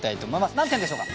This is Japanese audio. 何点でしょうか？